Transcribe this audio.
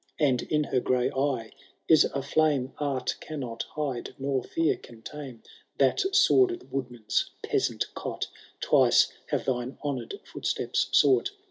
And in her gray eye is a flame Art cannot hide, nor fear can tame. — That sordid woodman*s peasant cot Twice have thine honoured footsteps sought.